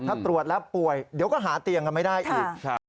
ถ้าตรวจแล้วป่วยเดี๋ยวก็หาเตียงกันไม่ได้อีก